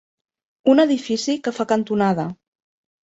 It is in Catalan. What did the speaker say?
Un edifici que fa cantonada.